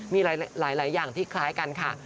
มีหลายอย่างที่คล้ายกันค่ะ